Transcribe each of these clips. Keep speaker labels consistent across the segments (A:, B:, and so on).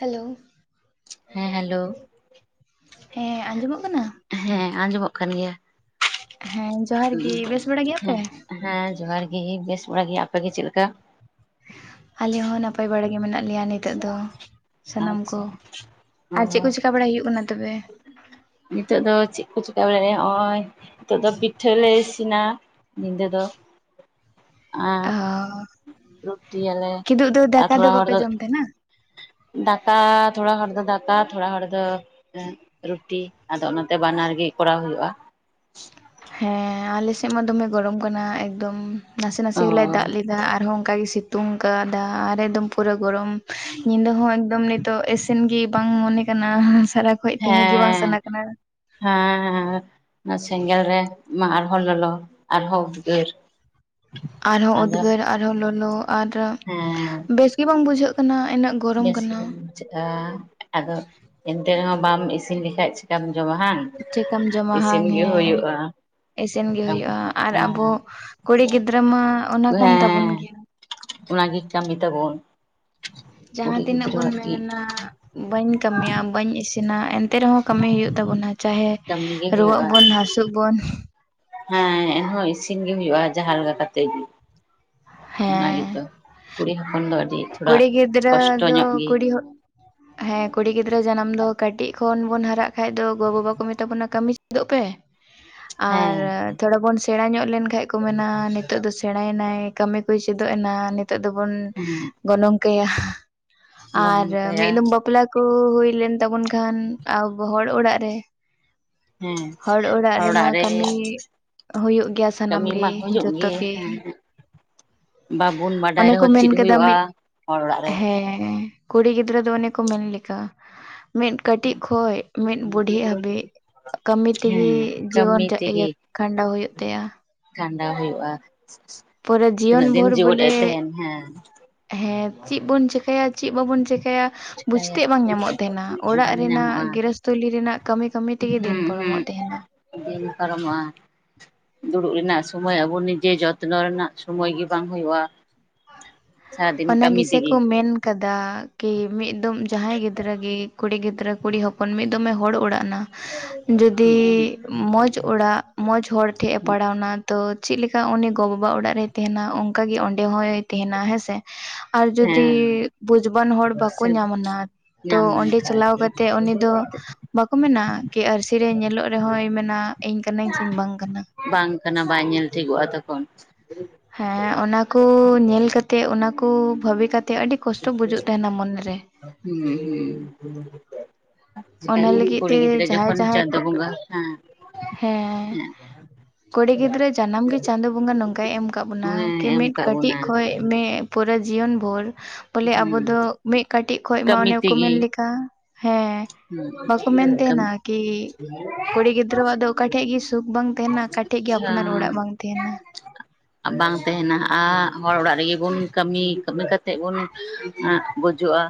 A: Hello
B: ᱦᱮᱸ hello
A: ᱦᱮᱸ ᱟᱸᱡᱚᱢᱚᱜ ᱠᱟᱱᱟ
B: ᱦᱮᱸ ᱟᱸᱡᱚᱢᱚᱜ ᱠᱟᱱ ᱜᱮᱭᱟ᱾
A: ᱦᱮᱸ ᱡᱚᱦᱟᱨ ᱜᱤ ᱵᱮᱥ ᱵᱟᱲᱟ ᱜᱮᱭᱟᱯᱮ?
B: ᱦᱮᱸ ᱦᱮᱸ ᱡᱚᱦᱟᱨ ᱜᱮ ᱵᱮᱥ ᱵᱟᱲᱟ ᱜᱮ ᱟᱯᱮ ᱜᱮ ᱪᱮᱫ ᱞᱮᱠᱟ
A: ᱟᱞᱮ ᱦᱚᱸ ᱱᱟᱯᱟᱭ ᱵᱟᱲᱟ ᱜᱮ ᱢᱮᱱᱟᱜ ᱞᱮᱭᱟ ᱱᱤᱛᱚᱜ ᱫᱚ ᱥᱟᱱᱟᱢ
B: ᱟᱪᱪᱷᱟ
A: ᱠᱚ
B: ᱚ
A: ᱟᱨ ᱪᱮᱫ ᱠᱚ ᱪᱮᱠᱟ ᱵᱟᱲᱟᱭ ᱦᱩᱭᱩᱜ ᱠᱟᱱᱟ ᱛᱚᱵᱮ
B: ᱱᱤᱛᱚᱜ ᱫᱚ ᱪᱮᱫ ᱠᱚ ᱪᱤᱠᱟᱹ ᱵᱟᱲᱟᱭᱼᱟ ᱱᱚᱜᱼᱚᱭ ᱱᱤᱛᱚᱜ ᱫᱚ ᱯᱤᱴᱷᱟᱹᱞᱮ ᱤᱥᱤᱱᱟ ᱧᱤᱫᱟᱹ ᱫᱚ ᱟᱸ
A: ᱚ
B: ᱨᱩᱴᱤᱭᱟᱞᱮ
A: ᱠᱤᱫᱩᱵ ᱫᱚ
B: ᱟᱨ
A: ᱫᱟᱠᱟ
B: ᱛᱷᱚᱲᱟ ᱦᱚᱲ
A: ᱵᱟᱯᱮ
B: ᱫᱚ
A: ᱡᱚᱢ ᱛᱟᱦᱮᱱᱟ?
B: ᱫᱟᱠᱟ ᱛᱷᱚᱲᱟ ᱦᱚᱲᱫᱚ ᱫᱟᱠᱟ ᱛᱷᱚᱲᱟ ᱦᱚᱲ ᱫᱚ ᱨᱩᱴᱤ ᱟᱫᱚ ᱚᱱᱟᱛᱮ ᱵᱟᱱᱟᱨ ᱜᱮ ᱠᱚᱨᱟᱣ ᱦᱩᱭᱩᱜᱼᱟ
A: ᱦᱮᱸ ᱟᱞᱮ ᱥᱮᱫ ᱢᱟ ᱫᱚᱢᱮ ᱜᱚᱨᱚᱢ ᱠᱟᱱᱟ ᱮᱠᱫᱚᱢ ᱱᱟᱥᱮ ᱱᱟᱥᱮ
B: ᱚ
A: ᱦᱚᱞᱲ ᱫᱟᱜ ᱞᱮᱫᱟ ᱟᱨᱦᱚᱸ ᱚᱱᱠᱟ ᱜᱮᱭ ᱥᱤᱛᱩᱝ ᱟᱠᱟᱫᱟ ᱟᱨ ᱮᱠᱫᱚᱢ ᱯᱩᱨᱟᱹ ᱜᱚᱨᱚᱢ ᱧᱤᱫᱟᱹ ᱦᱚᱸ ᱮᱠᱫᱚᱢ ᱱᱤᱛᱚᱜ ᱤᱥᱤᱱ ᱜᱤ ᱵᱟᱝ ᱢᱚᱱᱮ ᱠᱟᱱᱟ ᱥᱟᱨᱟ ᱠᱷᱚᱡ ᱛᱟᱦᱮᱸ ᱜᱮ ᱵᱟᱝ
B: ᱦᱮᱸ
A: ᱥᱟᱱᱟ ᱠᱟᱱᱟ᱾
B: ᱦᱮᱸ ᱦᱮᱸ ᱚᱱᱟ ᱥᱮᱸᱜᱮᱞ ᱨᱮ ᱢᱟ ᱟᱨᱦᱚᱸ ᱞᱚᱞᱚ ᱟᱨᱦᱚᱸ ᱩᱫᱜᱟᱹᱨ
A: ᱟᱨᱦᱚᱸ
B: ᱟᱫᱚ
A: ᱩᱫᱽᱜᱟᱹᱨ ᱟᱨᱦᱚᱸ ᱞᱚᱞᱚ ᱟᱨ
B: ᱦᱮᱸ
A: ᱵᱮᱥ ᱜᱮ ᱵᱟᱝ ᱵᱩᱡᱷᱟᱹᱜ ᱠᱟᱱᱟ ᱤᱱᱟᱹᱜ ᱜᱚᱨᱚᱢ
B: ᱵᱮᱥ ᱜᱮ
A: ᱠᱟᱱᱟ
B: ᱪᱮᱠᱟ ᱟᱫᱚ ᱮᱱᱛᱮ ᱨᱮᱦᱚᱸ ᱵᱟᱢ ᱤᱥᱤᱱ ᱞᱮᱠᱷᱟᱡ ᱪᱮᱠᱟᱢ ᱡᱚᱢᱟ ᱦᱟᱝ
A: ᱪᱮᱫᱠᱟᱢ ᱡᱚᱢ
B: ᱤᱥᱤᱱ
A: ᱦᱟᱝ
B: ᱜᱮ
A: ᱦᱮᱸ
B: ᱦᱩᱭᱩᱜᱼᱟ
A: ᱤᱥᱤᱱ ᱜᱮ
B: ᱦᱮᱸ
A: ᱦᱩᱭᱩᱜᱼᱟ ᱟᱨ ᱟᱵᱚ ᱠᱩᱲᱤ ᱜᱤᱫᱽᱨᱟᱹ ᱢᱟ ᱚᱱᱟ ᱠᱟᱱ ᱛᱟᱵᱚᱱ ᱜᱮᱭᱟ
B: ᱚᱱᱟ ᱜᱮ ᱠᱟᱹᱴᱤ ᱛᱟᱵᱚᱱ
A: ᱡᱟᱦᱟᱸ
B: ᱠᱩᱲᱤ
A: ᱛᱤᱱᱟᱹᱜ ᱵᱩᱱ
B: ᱜᱤᱫᱽᱨᱟᱹᱣᱟᱜ ᱜᱮ
A: ᱢᱮᱱᱟ ᱵᱟᱹᱧ ᱠᱟᱹᱢᱤᱭᱟ ᱵᱟᱹᱧ ᱤᱥᱤᱱᱟ ᱮᱱ ᱮᱱᱛᱮ ᱨᱮᱦᱚᱸ ᱠᱟᱹᱢᱤ ᱦᱳᱭᱳᱜ ᱛᱟᱵᱚᱱᱟ ᱪᱟᱦᱮ
B: ᱠᱟᱹᱢᱤ ᱜᱮ
A: ᱨᱩᱣᱟᱹᱜ
B: ᱦᱩᱭᱩᱜᱼᱟ
A: ᱵᱚᱱ ᱦᱟᱹᱥᱩᱜ ᱵᱚᱱ
B: ᱦᱮᱸ ᱦᱚᱸ ᱤᱥᱤᱱ ᱜᱮ ᱦᱩᱭᱩᱜᱼᱟ ᱡᱟᱦᱟᱸ ᱞᱮᱠᱟ ᱠᱟᱛᱮ ᱜᱮ ᱚᱱᱟ
A: ᱦᱮᱸ
B: ᱜᱮᱛᱚ ᱠᱩᱲᱤ ᱦᱚᱯᱚᱱ ᱫᱚ ᱟᱹᱰᱤ ᱛᱷᱚᱲᱟ
A: ᱠᱩᱲᱤ ᱜᱤᱫᱽᱨᱟᱹ
B: ᱠᱚᱥᱴᱚ ᱧᱚᱜ
A: ᱫᱚ
B: ᱜᱮ
A: ᱠᱩᱲᱤ ᱦᱚ ᱦᱮᱸ ᱠᱩᱲᱤ ᱜᱤᱫᱽᱨᱟᱹ ᱡᱟᱱᱟᱢ ᱫᱚ ᱠᱟᱹᱴᱤᱡ ᱠᱷᱚᱱ ᱵᱚᱱ ᱦᱟᱨᱟᱜ ᱠᱷᱟᱱ ᱫᱚ ᱜᱚ ᱵᱟᱵᱟ ᱠᱚ ᱢᱮᱛᱟ ᱵᱚᱱᱟ ᱠᱟᱹᱢᱤ ᱪᱮᱫᱚᱜ ᱯᱮ
B: [inaudible]
A: ᱟᱨ ᱛᱷᱚᱲᱟ ᱵᱚᱱ ᱥᱮᱬᱟ ᱧᱚᱜ ᱞᱮᱱᱠᱷᱟᱡ ᱠᱚ ᱢᱮᱱᱟ ᱱᱤᱛᱚᱜ ᱫᱚ ᱥᱮᱬᱟᱭ ᱮᱱᱟᱭ ᱠᱟᱹᱢᱤ ᱠᱚᱭ ᱪᱮᱫᱚᱜ ᱮᱱᱟ ᱱᱤᱛᱚᱜ ᱫᱚᱵᱚᱱ
B: ᱦᱮᱸ
A: ᱜᱚᱱᱚᱝ ᱠᱟᱭᱟ
B: ᱜᱚᱱ
A: ᱟᱨ
B: ᱠᱟᱭᱟ
A: ᱢᱤᱫ ᱫᱚᱢ ᱵᱟᱯᱞᱟ ᱠᱚ ᱦᱩᱭ ᱞᱮᱱ ᱛᱟᱵᱚᱱ ᱠᱷᱟᱱ ᱟᱵᱚ ᱦᱚᱲ ᱚᱲᱟᱜ ᱨᱮ
B: ᱦᱮᱸ
A: ᱦᱚᱲ ᱚᱲᱟᱜ ᱨᱮᱢᱟ ᱠᱟᱹᱢᱤ ᱦᱩᱭᱳᱜ ᱜᱮᱭᱟ ᱥᱟᱱᱟᱢ
B: ᱠᱟᱹᱢᱤ
A: ᱜᱮ
B: ᱢᱟ ᱦᱩᱭᱩᱜ
A: ᱡᱚᱛᱚ ᱜᱮ
B: ᱦᱮᱸ ᱵᱟᱵᱚᱱ ᱵᱟᱰᱟᱭ
A: ᱚᱱᱮ ᱠᱚ
B: ᱨᱮᱦᱚᱸ
A: ᱢᱮᱱ
B: ᱪᱮᱫ
A: ᱠᱮᱫᱟ ᱢᱤᱫ
B: ᱦᱩᱭᱩᱜᱼᱟ ᱦᱚᱲ ᱚᱲᱟᱜ ᱨᱮ
A: ᱦᱮᱸ ᱠᱩᱲᱤ ᱜᱤᱫᱽᱨᱟᱹ ᱫᱚ ᱚᱱᱮ ᱠᱚ ᱢᱮᱱ ᱞᱮᱠᱟ ᱢᱤᱫ ᱠᱟᱹᱴᱤᱡ ᱠᱷᱚᱡ ᱢᱤᱫ ᱵᱩᱰᱷᱤ ᱦᱟᱹᱵᱤᱡ ᱠᱟᱹᱢᱤ ᱛᱮᱜᱮ
B: ᱦᱮᱸ
A: ᱡᱤᱭᱚᱱ
B: ᱠᱟᱹᱢᱤ
A: ᱤᱭᱟᱹ
B: ᱛᱮᱜᱮ
A: ᱠᱷᱟᱸᱰᱟᱣ ᱦᱩᱭᱩᱜ ᱛᱟᱭᱟ
B: ᱠᱷᱟᱸᱰᱟᱣ ᱦᱩᱭᱩᱜᱼᱟ
A: ᱯᱩᱨᱟᱹ ᱡᱤᱭᱚᱱ
B: ᱛᱤᱱᱟᱹᱜ ᱫᱤᱱ
A: ᱵᱷᱳᱨ
B: ᱡᱮᱣᱮᱫ ᱮ
A: ᱵᱚᱞᱮ
B: ᱛᱟᱦᱮᱱ ᱦᱮᱸ
A: ᱦᱮᱸ ᱪᱮᱫ ᱵᱚᱱ ᱪᱮᱠᱟᱹᱭᱟ ᱪᱮᱫ ᱵᱟᱵᱚᱱ ᱪᱮᱠᱟᱭᱟ
B: ᱪᱤᱠᱟᱹᱭᱟ
A: ᱵᱩᱡᱽᱛᱮ ᱵᱟᱝ ᱧᱟᱢᱚᱜ ᱛᱟᱦᱮᱱᱟ ᱚᱲᱟᱜ
B: ᱵᱟᱝ
A: ᱨᱮᱱᱟᱜ
B: ᱧᱟᱢᱚᱜᱼᱟ
A: ᱜᱮᱨᱮᱥᱛᱷᱚᱞᱤ ᱨᱮᱱᱟᱜ ᱠᱟᱹᱢᱤ ᱠᱟᱹᱢᱤ ᱛᱮᱜᱮ ᱫᱤᱱ
B: ᱦᱩᱸ ᱦᱩᱸ
A: ᱯᱚᱨᱚᱢᱚᱜ ᱛᱟᱦᱮᱱᱟ᱾
B: ᱫᱤᱱ ᱯᱟᱨᱚᱢᱚᱜ ᱟ ᱫᱩᱲᱩᱵ ᱨᱮᱱᱟᱜ ᱥᱚᱢᱚᱭ ᱟᱵᱚ ᱱᱤᱡᱮ ᱡᱚᱛᱱᱚ ᱨᱮᱱᱟᱜ ᱥᱚᱢᱚᱭ ᱜᱮ ᱵᱟᱝ ᱦᱩᱭᱩᱜᱼᱟ ᱥᱟᱨᱟᱫᱤᱱ
A: ᱚᱱᱟ
B: ᱠᱟᱹᱢᱤ
A: ᱜᱮᱥᱮ
B: ᱛᱮᱜᱮ
A: ᱠᱚ ᱢᱮᱱ ᱠᱟᱫᱟ ᱠᱤ ᱢᱤᱫ ᱫᱚᱢ ᱡᱟᱦᱟᱸᱭ ᱜᱤᱫᱽᱨᱟᱹ ᱜᱮ ᱠᱩᱲᱤ ᱜᱤᱫᱽᱨᱟᱹ ᱠᱩᱲᱤ ᱦᱚᱯᱚᱱ ᱢᱤᱫ ᱫᱚᱢᱮ ᱦᱚᱲ ᱚᱲᱟᱜ ᱱᱟ ᱡᱩᱫᱤ ᱢᱚᱡᱽ ᱚᱲᱟᱜ ᱢᱚᱡᱽ ᱦᱚᱲ ᱴᱷᱮᱡ ᱮ ᱯᱟᱲᱟᱣ ᱮᱱᱟ ᱛᱚ ᱪᱮᱫ ᱞᱮᱠᱟ ᱩᱱᱤ ᱜᱚ ᱵᱟᱵᱟ ᱚᱲᱟᱜ ᱨᱮᱭ ᱛᱟᱦᱮᱱᱟ ᱚᱱᱠᱟᱜ ᱜᱮ ᱚᱸᱰᱮ ᱦᱚᱭ ᱛᱟᱦᱮᱱᱟ ᱦᱮᱸ ᱥᱮ ᱟᱨ ᱡᱩᱫᱤ
B: ᱦᱮᱸ
A: ᱵᱩᱡᱽᱵᱟᱱ ᱦᱚᱲ ᱵᱟᱠᱚ
B: ᱥᱮ
A: ᱧᱟᱢᱱᱟ ᱛᱚ
B: ᱧᱟᱢ
A: ᱚᱸᱰᱮ
B: ᱞᱮᱱᱠᱷᱟᱱ
A: ᱪᱟᱞᱟᱣ ᱠᱟᱛᱮᱜ ᱩᱱᱤ ᱫᱚ ᱵᱟᱠᱚ ᱢᱮᱱᱟ ᱠᱤ ᱟᱨᱥᱤᱨᱮᱭ ᱧᱮᱞᱚᱜ ᱨᱮᱦᱚᱸᱚᱭ ᱢᱮᱱᱟ ᱤᱧ ᱠᱟᱱᱟᱹᱧ ᱥᱮ ᱵᱟᱝ ᱠᱟᱱᱟ
B: ᱵᱟᱝ ᱠᱟᱱᱟ ᱵᱟᱭ ᱧᱮᱞ ᱴᱷᱤᱠᱚᱜᱼᱟ ᱛᱚᱠᱷᱚᱱ
A: ᱦᱮᱸ ᱚᱱᱟᱠᱩ ᱧᱮᱞ ᱠᱟᱛᱮᱜ ᱚᱱᱟᱠᱩ ᱵᱷᱟᱵᱤ ᱠᱟᱛᱮᱜ ᱟᱹᱰᱤ ᱠᱚᱥᱴᱚ ᱵᱩᱡᱩᱜ ᱛᱟᱦᱮᱱᱟ ᱢᱚᱱᱮᱨᱮ ᱚᱱᱟ
B: [unintelligible]
A: ᱞᱟᱹᱜᱤᱫ
B: ᱠᱩᱲᱤ
A: ᱛᱮ
B: ᱜᱤᱫᱽᱨᱟᱹ
A: ᱡᱟᱦᱟᱸᱭ
B: ᱡᱚᱠᱷᱚᱱ
A: ᱡᱟᱦᱟᱸᱭ
B: ᱪᱟᱸᱫᱳ
A: ᱠᱚ
B: ᱵᱚᱸᱜᱟ ᱦᱮᱸ
A: ᱦᱮᱸ ᱠᱩᱲᱤ ᱜᱤᱫᱽᱨᱟᱹ ᱡᱟᱱᱟᱢ ᱜᱮ ᱪᱟᱸᱫᱚ ᱵᱚᱸᱜᱟ ᱱᱚᱝᱠᱟᱭ ᱮᱢ ᱟᱠᱟᱫ ᱵᱚᱱᱟ
B: ᱦᱮᱸ
A: ᱠᱤ
B: ᱮᱢ
A: ᱢᱤᱫ
B: ᱠᱟᱜ
A: ᱠᱟᱹᱴᱤᱡ
B: ᱵᱚᱱᱟ
A: ᱠᱷᱚᱱ ᱢᱤᱫ ᱯᱩᱨᱟᱹ ᱡᱤᱭᱚᱱ ᱵᱷᱳᱨ ᱵᱚᱞᱮ ᱟᱵᱚ
B: ᱦᱩᱸ
A: ᱫᱚ ᱢᱤᱫ ᱠᱟᱹᱴᱤᱡ ᱠᱷᱚᱱ ᱢᱟ
B: ᱠᱟᱹᱢᱤ
A: ᱚᱱᱮ ᱠᱚ ᱢᱮᱱ
B: ᱛᱮᱜᱮ
A: ᱞᱮᱠᱟ ᱦᱮᱸ
B: ᱦᱩᱸ
A: ᱵᱟᱠᱚ ᱢᱮᱱᱛᱮᱱᱟ
B: ᱠᱟᱹᱢᱤ
A: ᱠᱤ ᱠᱩᱲᱤ ᱜᱤᱫᱨᱟᱹ ᱜᱤᱫᱽᱨᱟᱹᱣᱟᱜ ᱫᱚ ᱚᱠᱟᱴᱷᱮᱡ ᱜᱮ ᱥᱩᱠ ᱵᱟᱝ ᱛᱟᱦᱮᱱᱟ ᱚᱠᱟ ᱴᱷᱮᱡ ᱜᱮ ᱟᱯᱱᱟᱨ ᱚᱲᱟᱜ
B: ᱦᱮᱸ
A: ᱵᱟᱝ ᱛᱟᱦᱮᱱᱟ
B: ᱵᱟᱝ ᱛᱟᱦᱮᱱᱟᱼᱟ ᱦᱚᱲ ᱚᱲᱟᱜ ᱨᱮᱜᱮ ᱵᱚᱱ ᱠᱟᱹᱢᱤ ᱠᱟᱹᱢᱤ ᱠᱟᱛᱮᱫ ᱵᱚᱱ ᱱᱟᱜ ᱵᱩᱡᱩᱜᱼᱟ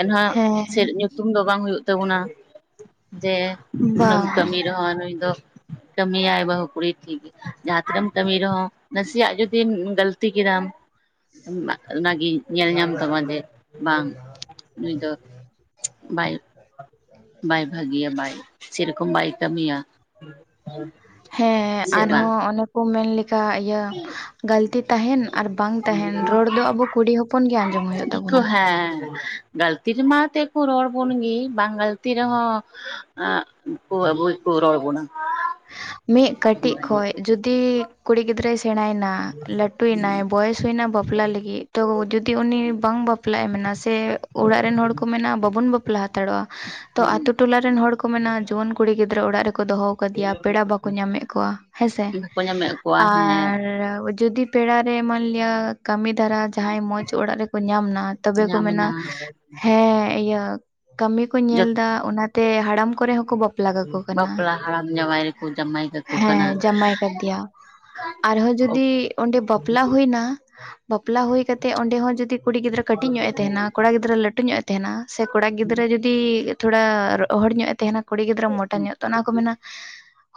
B: ᱮᱱᱦᱚᱸ
A: ᱦᱮᱸ
B: ᱥᱮᱫ [unintelligible] ᱧᱩᱛᱩᱢ ᱫᱚ ᱵᱟᱝ ᱦᱩᱭᱩᱜ ᱛᱟᱵᱚᱱᱟ ᱡᱮ ᱱᱩᱱᱟᱹᱝ
A: ᱵᱟᱝ
B: ᱠᱟᱹᱢᱤ ᱨᱮᱦᱚᱸ ᱱᱩᱭ ᱫᱚ ᱠᱟᱹᱢᱤᱭᱟᱭ ᱵᱟᱹᱦᱩ ᱠᱩᱲᱤ ᱴᱷᱤᱠ ᱜᱮᱭᱟ ᱡᱟᱦᱟᱸ ᱛᱤᱱᱟᱹᱜᱮᱢ ᱠᱟᱹᱢᱤ ᱨᱮᱦᱚᱸ ᱱᱟᱥᱮᱭᱟᱜ ᱡᱩᱫᱤᱢ ᱜᱟᱹᱞᱛᱤ ᱛᱤ ᱠᱮᱫᱟᱢ ᱚᱱᱟᱜᱮ ᱧᱮᱞ ᱧᱟᱢ ᱛᱟᱢᱟ ᱡᱮ ᱵᱟᱝ ᱾ ᱱᱩᱭ ᱫᱚ [inaudible] ᱵᱟᱭ ᱾ ᱵᱟᱭ ᱵᱷᱟᱹᱜᱤᱭᱟ ᱵᱟᱭ ᱥᱮᱨᱚᱠᱚᱢ ᱵᱟᱭ ᱠᱟᱹᱢᱤᱭᱟ ᱾
A: ᱦᱮᱸ ᱟᱨᱦᱚᱸ ᱚᱱᱮ ᱠᱚ ᱢᱮᱱ ᱞᱮᱠᱟ ᱤᱭᱟᱹ ᱜᱟᱹᱞᱛᱤ ᱛᱟᱦᱮᱸᱱ ᱟᱨ ᱵᱟᱝ ᱛᱟᱦᱮᱸᱱ ᱨᱚᱲ ᱫᱚ ᱟᱵᱚ ᱠᱩᱲᱤ ᱦᱚᱯᱚᱱ ᱜᱮ ᱟᱸᱡᱚᱢ ᱦᱩᱭᱩᱜ
B: ᱜᱮᱠᱚ
A: ᱛᱟᱵᱚᱱᱟ ᱾
B: ᱦᱮᱸ ᱜᱟᱹᱞᱛᱤ ᱨᱮᱢᱟ ᱛᱮ ᱠᱚ ᱨᱚᱲ ᱵᱚᱱ ᱜᱤ ᱵᱟᱝ ᱜᱟᱹᱞᱛᱤ ᱨᱮᱦᱚᱸ ᱟ ᱩᱱᱠᱩ ᱦᱚᱸ ᱟᱵᱚ ᱜᱮᱠᱚ ᱨᱚᱲ ᱵᱚᱱᱟ ᱾
A: ᱢᱤᱫ ᱠᱟᱹᱴᱤᱡ ᱠᱷᱚᱱ ᱡᱩᱫᱤ ᱠᱩᱲᱤ ᱜᱤᱫᱽᱨᱟᱹᱭ ᱥᱮ ᱥᱮᱬᱟᱭᱮᱱᱟ ᱞᱟᱹᱴᱩᱭᱮᱱᱟᱭ ᱵᱚᱭᱮᱥ ᱦᱩᱭᱱᱟ ᱵᱟᱯᱞᱟ ᱞᱟᱹᱜᱤᱫ ᱛᱚ ᱡᱩᱫᱤ ᱩᱱᱤ ᱵᱟᱝ ᱵᱟᱯᱞᱟᱜ ᱮ ᱢᱮᱱᱟ ᱥᱮ ᱚᱲᱟᱜ ᱨᱤᱱ ᱦᱚᱲ ᱠᱚ ᱢᱮᱱᱟ ᱵᱟᱵᱚᱱ ᱵᱟᱯᱞᱟ ᱦᱟᱛᱟᱲᱚᱜᱼᱟ ᱾ ᱛᱚ
B: ᱦᱩᱸ
A: ᱟᱹᱛᱩ ᱴᱚᱞᱟ ᱨᱤᱱ ᱦᱚᱲ ᱠᱚ ᱢᱮᱱᱟ ᱡᱩᱣᱟᱹᱱ ᱠᱩᱲᱤ ᱜᱤᱫᱽᱨᱟᱹ ᱚᱲᱟᱜ ᱨᱮᱠᱚ ᱫᱚᱦᱚᱣᱟᱠᱟᱫᱮᱭᱟ ᱯᱮᱲᱟ ᱵᱟᱠᱚ ᱧᱟᱢᱮᱫ ᱠᱚᱣᱟ ᱦᱮᱸᱥᱮ
B: ᱵᱟᱠᱚ ᱧᱟᱢᱮᱫ ᱠᱚᱣᱟ ᱦᱮᱸ
A: ᱟᱨ ᱡᱩᱫᱤ ᱯᱮᱲᱟ ᱨᱮ ᱢᱟᱹᱱ ᱞᱮᱭᱟ ᱠᱟᱹᱢᱤ ᱫᱷᱟᱨᱟ ᱡᱟᱦᱟᱭ ᱢᱚᱡᱽ ᱚᱲᱟᱜ ᱨᱮᱠᱚ ᱧᱟᱢ ᱱᱟ ᱛᱚᱵᱮ ᱠᱚ
B: ᱧᱟᱢ
A: ᱢᱮᱱᱟ
B: ᱮᱱᱟ
A: ᱦᱮᱸ ᱤᱭᱟᱹ ᱠᱟᱹᱢᱤ ᱠᱚ ᱧᱮᱞ
B: ᱡᱚᱛ
A: ᱫᱟ ᱚᱱᱟᱛᱮ ᱦᱟᱲᱟᱢ ᱠᱚᱨᱮ ᱦᱚᱸᱠᱚ ᱵᱟᱯᱞᱟ ᱠᱟᱠᱚ ᱠᱟᱱᱟ
B: ᱵᱟᱯᱞᱟ ᱦᱟᱲᱟᱢ ᱡᱟᱶᱟᱭ ᱨᱮᱠᱚ ᱡᱟᱶᱟᱭ ᱠᱟᱠᱚ ᱠᱟᱱᱟ
A: ᱦᱮᱸ
B: ᱾
A: ᱡᱟᱢᱟᱭ ᱠᱟᱫᱮᱭᱟ ᱟᱨᱦᱚᱸ ᱡᱚᱫᱤ ᱚᱸᱰᱮ ᱵᱟᱯᱞᱟ ᱦᱩᱭᱱᱟ ᱵᱟᱯᱞᱟ ᱦᱩᱭ ᱠᱟᱛᱮᱜ ᱚᱸᱰᱮ ᱦᱚᱸ ᱡᱩᱫᱤ ᱠᱩᱲᱤ ᱜᱤᱫᱽᱨᱟᱹ ᱠᱟᱹᱴᱤᱡ ᱧᱚᱜ ᱮ ᱛᱟᱦᱮᱸᱱᱟ ᱠᱚᱲᱟ ᱜᱤᱫᱽᱨᱟᱹ ᱞᱟᱹᱴᱩ ᱧᱚᱜ ᱮ ᱛᱟᱦᱮᱸᱱᱟ ᱥᱮ ᱠᱚᱲᱟ ᱜᱤᱫᱽᱟᱹ ᱡᱩᱫᱤ ᱡᱩᱫᱤ ᱛᱷᱚᱲᱟ ᱨᱚᱦᱚᱲ ᱧᱚᱜ ᱮ ᱛᱟᱦᱮᱸᱱᱟ ᱠᱩᱲᱤ ᱜᱤᱫᱽᱨᱟᱹ ᱢᱚᱴᱟ ᱧᱚᱜ ᱛᱚ ᱚᱱᱟ ᱠᱚ ᱢᱮᱱᱟ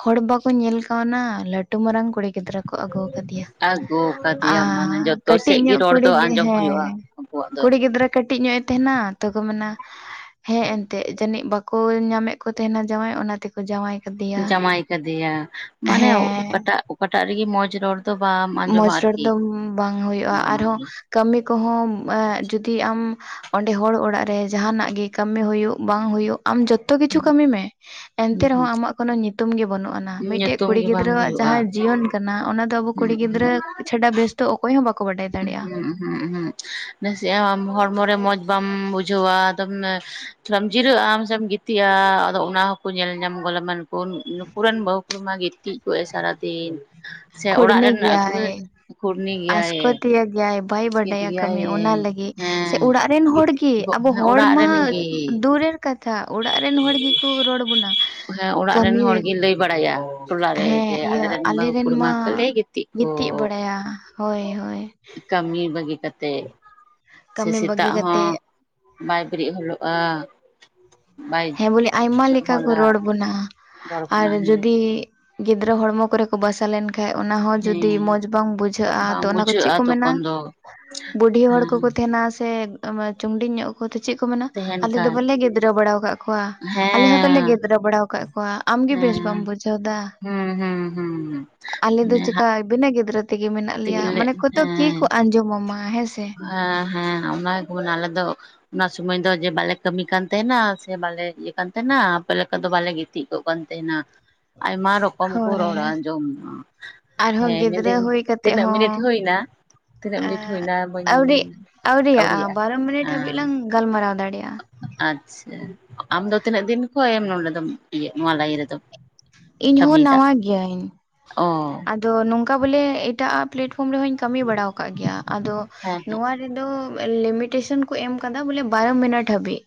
A: ᱦᱚᱲ ᱵᱟᱠᱚ ᱧᱮᱞ ᱠᱟᱣᱱᱟ ᱞᱟᱹᱴᱩ ᱢᱟᱨᱟᱝ ᱠᱩᱲᱤ ᱜᱤᱫᱽᱨᱟᱹ ᱠᱚ ᱟᱹᱜᱩ ᱠᱟᱫᱮᱭᱟ
B: ᱟᱹᱜᱩ ᱠᱟᱫᱮᱭᱟᱢ ᱢᱟᱱᱮ
A: ᱟᱨ
B: ᱡᱚᱛᱚ
A: ᱠᱟᱹᱴᱤᱡ
B: ᱥᱮᱫ ᱜᱮ
A: ᱧᱚᱜ
B: ᱨᱚᱲ
A: ᱠᱩᱲᱤ
B: ᱫᱚ
A: ᱜᱮ
B: ᱟᱸᱡᱚᱢ ᱦᱩᱭᱩᱜᱼᱟ
A: ᱦᱮᱸ
B: ᱾ ᱩᱱᱠᱩᱣᱟᱜ ᱫᱚ
A: ᱠᱩᱲᱤ ᱜᱤᱫᱽᱨᱟᱹ ᱠᱟᱹᱴᱤᱡ ᱧᱚᱜ ᱮ ᱛᱟᱦᱮᱸᱱᱟ ᱛᱚ ᱠᱚ ᱢᱮᱱᱟ ᱦᱮᱸ ᱮᱱᱛᱮᱫ ᱡᱟᱹᱱᱤᱡ ᱵᱟᱠᱚ ᱠᱚ ᱧᱟᱢᱮᱫ ᱠᱚ ᱛᱟᱦᱮᱸᱱᱟ ᱡᱟᱶᱟᱭ ᱚᱱᱟᱛᱮᱠᱚ ᱡᱟᱶᱟᱭ ᱠᱟᱫᱮᱭᱟ ᱾
B: ᱡᱟᱶᱟᱭ ᱠᱟᱫᱮᱭᱟ ᱢᱟᱱᱮ ᱚᱠᱟᱴᱟᱜ ᱚᱠᱟᱴᱟᱜ ᱨᱮᱜᱮ ᱢᱚᱡᱽ ᱨᱚᱲ ᱫᱚ ᱵᱟᱢ
A: ᱢᱚᱡᱽ
B: ᱟᱸᱡᱚᱢᱟ
A: ᱨᱚᱲ
B: ᱟᱨᱠᱤ
A: ᱫᱚ ᱵᱟᱝ ᱦᱩᱭᱩᱜᱼᱟ
B: ᱵᱟᱢ
A: ᱟᱨᱦᱚᱸ
B: ᱟᱸᱡᱚᱢᱟ
A: ᱠᱟᱹᱢᱤ ᱠᱚᱦᱚᱸ ᱮ ᱡᱩᱫᱤ ᱟᱢ ᱚᱸᱰᱮ ᱦᱚᱲ ᱚᱲᱟᱜ ᱨᱮ ᱡᱟᱦᱟᱱᱟᱜ ᱜᱮ ᱠᱟᱹᱢᱤ ᱦᱩᱭᱩᱜ ᱵᱟᱝ ᱦᱩᱭᱩᱜ ᱟᱢ ᱡᱚᱛᱚ ᱠᱤᱪᱷᱩ ᱠᱟᱹᱢᱤ ᱢᱮ ᱮᱱᱛᱮ
B: ᱦᱩᱸ ᱦᱩᱸ
A: ᱨᱮᱦᱚᱸ ᱟᱢᱟᱜ ᱠᱚᱱᱚ ᱧᱩᱛᱩᱢ ᱜᱮ ᱵᱟᱹᱱᱩᱜ ᱟᱱ ᱾ ᱢᱤᱫᱴᱮᱡ
B: ᱧᱩᱛᱩᱢ
A: ᱠᱩᱲᱤ
B: ᱜᱮ ᱵᱟᱝ
A: ᱜᱤᱫᱽᱨᱟᱹᱣᱟᱜ
B: ᱦᱩᱭᱩᱜᱼᱟ
A: ᱡᱟᱦᱟ ᱡᱤᱭᱚᱱ ᱠᱟᱱᱟ ᱚᱱᱟ ᱫᱚ ᱟᱵᱚ
B: ᱦᱩᱸ
A: ᱠᱩᱲᱤ
B: ᱦᱩᱸ
A: ᱜᱤᱫᱽᱨᱟᱹ ᱪᱷᱟᱰᱟ ᱵᱮᱥ ᱛᱚ ᱚᱠᱚᱭ ᱦᱚᱸ ᱵᱟᱠᱚ ᱵᱟᱰᱟᱭ ᱫᱟᱲᱮᱭᱟᱜᱼᱟ ᱾
B: ᱦᱩᱸ ᱦᱩᱸ ᱦᱩᱸ ᱱᱟᱥᱮᱭᱟᱜ ᱟᱢ ᱦᱚᱲᱢᱚᱨᱮ ᱢᱚᱡᱽ ᱵᱟᱢ ᱵᱩᱡᱷᱟᱹᱣᱟ [unintelligible] ᱛᱷᱚᱲᱟᱢ ᱡᱤᱨᱟᱹᱜ ᱟᱢ ᱥᱮ ᱜᱤᱛᱤᱡ [unintelligible] ᱜᱤᱛᱤᱡᱼᱟ ᱟᱫᱚ ᱚᱱᱟ ᱦᱚᱸᱠᱚ ᱧᱮᱞ ᱧᱟᱢ ᱜᱚᱫᱟ ᱡᱮ ᱱᱩᱠᱩ ᱨᱮᱱ ᱵᱟᱹᱦᱩ ᱠᱩᱲᱤᱢᱟ ᱜᱤᱛᱤᱡ ᱠᱚᱜ ᱮ ᱥᱟᱨᱟᱫᱤᱱ ᱾
A: ᱠᱷᱳᱲᱱᱮ ᱜᱤᱭᱟ ᱦᱮ
B: ᱠᱷᱩᱲᱱᱤ ᱜᱮᱭᱟᱭ
A: ᱟᱡᱽᱠᱚ ᱫᱤᱭᱟ ᱜᱭᱟ ᱦᱮ ᱾ ᱵᱟᱭ
B: ᱥᱠᱤᱛ
A: ᱵᱟᱰᱟᱭᱟ
B: ᱜᱮᱭᱟᱭ
A: ᱠᱟᱹᱢᱤ ᱚᱱᱟ ᱞᱟᱹᱜᱤᱫ ᱥᱮ
B: ᱦᱮᱸ
A: ᱚᱲᱟᱜ ᱨᱮᱱ ᱦᱚᱲ
B: ᱜᱤᱛᱤᱡ
A: ᱜᱮ ᱟᱵᱚ
B: ᱦᱮᱸ
A: ᱦᱚᱲ
B: ᱚᱲᱟᱜ
A: ᱢᱟ
B: ᱨᱮᱱ ᱜᱮ
A: ᱫᱩᱨ ᱨᱮᱱ ᱠᱟᱛᱷᱟ ᱚᱲᱟᱜ ᱨᱮᱱ ᱦᱚᱲ ᱜᱮᱠᱚ ᱨᱚᱲ ᱵᱚᱱᱟ ᱠᱟᱹᱢᱤ ᱨᱮ
B: ᱵᱟᱰᱟᱭᱟ ᱴᱚᱞᱟᱨᱮ ᱡᱮ ᱟᱞᱮᱨᱮᱱ ᱵᱟᱹᱦᱩ ᱠᱩᱲᱤ ᱢᱟ ᱠᱷᱟᱹᱞᱤ ᱜᱤᱛᱤᱡ ᱠᱚ [unintelligible]
A: [unintelligible] ᱦᱳᱭ ᱦᱳᱭ
B: ᱠᱟᱹᱢᱤ ᱵᱟᱹᱜᱤ ᱠᱟᱛᱮᱫ ᱥᱮ
A: ᱠᱟᱹᱢᱤ ᱵᱟᱹᱜᱤ
B: ᱥᱮᱛᱟᱜ ᱦᱚᱸ
A: ᱠᱟᱛᱮᱜ
B: ᱵᱟᱭ ᱵᱮᱨᱮᱫ ᱦᱚᱞᱚᱜᱼᱟ ᱾ [unintelligible]
A: ᱦᱮᱸ ᱵᱚᱞᱮ ᱟᱭᱢᱟ ᱞᱮᱠᱟ ᱠᱚ ᱨᱚᱲ ᱵᱚᱱᱟ ᱟᱨ
B: ᱵᱟᱲᱜᱩᱱᱟ ᱦᱮᱸ
A: ᱡᱩᱫᱤ ᱜᱤᱫᱽᱨᱟᱹ ᱦᱚᱲᱢᱚ ᱠᱚᱨᱮ ᱠᱚ ᱵᱟᱥᱟ ᱞᱮᱱ ᱦᱮ ᱚᱱᱟ ᱦᱚᱸ ᱡᱩᱫᱤ
B: ᱦᱮᱸ
A: ᱢᱚᱡᱽ ᱵᱟᱝ ᱵᱩᱡᱷᱟᱹᱜᱼᱟ ᱛᱚ
B: ᱵᱟᱝ
A: ᱚᱱᱟ ᱠᱚ ᱪᱮᱫ
B: ᱵᱩᱡᱷᱟᱹᱜᱼᱟ
A: ᱠᱚ ᱢᱮᱱᱟ?
B: ᱛᱚᱠᱷᱚᱱ ᱫᱚ
A: ᱵᱩᱰᱷᱤ ᱦᱚᱲ
B: ᱦᱮᱸ
A: ᱠᱚᱠᱚ ᱛᱟᱦᱮᱸᱱᱟ ᱥᱮ [unintelligible] ᱪᱩᱝᱰᱤᱝ ᱧᱚᱜ ᱠᱚ ᱪᱮᱫ ᱠᱚ ᱢᱮᱱᱟ
B: ᱛᱟᱦᱮᱱ
A: ᱟᱞᱮ ᱫᱚ
B: ᱠᱷᱟᱡ
A: ᱵᱟᱞᱮ ᱜᱤᱫᱽᱨᱟᱹ ᱵᱟᱲᱟᱣ ᱟᱠᱟᱫ ᱠᱚᱣᱟ ᱾ ᱟᱞᱮ ᱦᱚᱸᱛᱚᱞᱮ
B: ᱦᱮᱸ
A: ᱜᱤᱫᱽᱨᱟᱹ ᱵᱟᱲᱟ ᱟᱠᱟᱫ ᱠᱚᱣᱟ ᱟᱢᱜᱮ ᱵᱮᱥ ᱵᱟᱢ
B: ᱦᱮᱸ
A: ᱵᱩᱡᱷᱟᱹᱣ ᱫᱟ ᱾
B: ᱦᱩᱸ ᱦᱩᱸ ᱦᱩᱸ
A: ᱟᱞᱮ ᱫᱚ
B: ᱢᱟᱱᱮ ᱦᱟᱜ
A: ᱪᱮᱠᱟ ᱵᱤᱱᱟᱹ ᱜᱤᱫᱽᱨᱟᱹ ᱛᱮᱜᱮ ᱢᱮᱱᱟᱜ ᱞᱮᱭᱟ
B: ᱛᱮᱜᱮᱞᱮ
A: ᱢᱟᱱᱮ ᱠᱚᱭᱛᱚ
B: ᱦᱮᱸ
A: ᱠᱤᱠᱚ ᱟᱸᱡᱚᱢᱢᱟ ᱦᱮᱸᱥᱮ
B: ᱦᱮᱸ ᱦᱮᱸ ᱚᱱᱟ ᱟᱞᱮ ᱫᱚ ᱚᱱᱟ ᱥᱩᱚᱢᱟᱹᱭ ᱫᱚ ᱡᱮ ᱵᱟᱞᱮ ᱠᱟᱹᱢᱤ ᱠᱟᱱ ᱛᱟᱦᱮᱱᱟ ᱥᱮ ᱵᱟᱞᱮ ᱤᱭᱟᱹ ᱠᱟᱱ ᱛᱟᱦᱮᱱᱟ ᱟᱯᱮ ᱞᱮᱠᱟ ᱫᱚ ᱵᱟᱞᱮ ᱜᱤᱛᱤᱡ ᱠᱚᱜ ᱠᱟᱱ ᱛᱟᱦᱮᱱᱟ ᱾ ᱟᱭᱢᱟ ᱨᱚᱠᱚᱢ ᱠᱚ
A: ᱦᱳᱭ
B: ᱨᱚᱲᱟ ᱟᱸᱡᱚᱢᱟ ᱾
A: ᱟᱨᱦᱚᱸ
B: ᱦᱮᱸ
A: ᱜᱤᱫᱽᱨᱟᱹ
B: ᱢᱮᱱᱫᱟᱹᱧ
A: ᱦᱩᱭ ᱠᱟᱛᱮᱜ
B: ᱛᱤᱱᱟᱹᱜ ᱢᱤᱱᱤᱴ
A: ᱦᱚᱸ
B: ᱦᱩᱭᱮᱱᱟ ᱛᱤᱱᱟᱹᱜ ᱢᱤᱱᱤᱴ
A: ᱮᱸ
B: ᱦᱩᱭᱱᱟ ᱾
A: ᱟᱹᱣᱨᱤ ᱟᱹᱣᱨᱤᱭᱟᱜᱼᱟ ᱵᱟᱨᱚ ᱢᱤᱱᱤᱴ ᱦᱟᱹᱵᱤᱡ ᱞᱟᱝ ᱜᱟᱞᱢᱟᱨᱟᱣ ᱫᱟᱲᱮᱭᱟᱜᱼᱟ ᱾
B: ᱟᱪᱷᱟ ᱟᱢ ᱫᱚ ᱛᱤᱱᱟᱹᱜ ᱫᱤᱱ ᱠᱷᱚᱱ ᱱᱚᱰᱮ ᱫᱚᱢᱭ ᱱᱚᱣᱟ ᱞᱟᱹᱭ ᱨᱮᱫᱚ
A: ᱤᱧ ᱦᱚᱸ ᱱᱟᱣᱟ ᱜᱤᱭᱟᱹᱧ
B: ᱚ
A: ᱟᱫᱚ ᱱᱚᱝᱠᱟ ᱵᱚᱞᱮ ᱮᱴᱟᱜ ᱟᱜ ᱯᱞᱮᱴᱯᱷᱚᱨᱚᱢ ᱨᱮᱦᱚᱧ ᱠᱟᱹᱢᱤ ᱵᱟᱲ ᱟᱠᱟᱫ ᱜᱮᱭᱟ ᱟᱫᱚ
B: ᱦᱮᱸ ᱦᱮᱸ
A: ᱱᱚᱣᱟ ᱞᱤᱢᱤᱴᱮᱥᱚᱱ ᱠᱚ ᱮᱢ ᱟᱠᱟᱫᱟ ᱵᱚᱞᱮ ᱵᱟᱨᱚ ᱢᱤᱱᱤᱴ ᱦᱟᱹᱵᱤᱡ